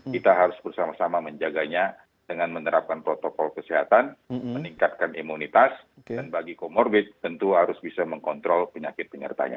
kita harus bersama sama menjaganya dengan menerapkan protokol kesehatan meningkatkan imunitas dan bagi comorbid tentu harus bisa mengontrol penyakit penyertanya